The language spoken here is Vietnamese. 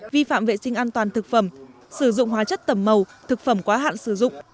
vi phạm vệ sinh an toàn thực phẩm sử dụng hóa chất tẩm màu thực phẩm quá hạn sử dụng